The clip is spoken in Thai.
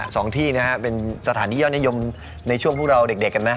สองที่นะฮะเป็นสถานที่ยอดนิยมในช่วงพวกเราเด็กกันนะ